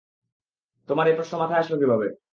তোমার এই প্রশ্ন মাথায় আসলো কীভাবে?